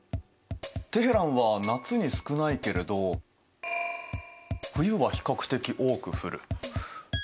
テヘランは夏に少ないけれど冬は比較的多く降る。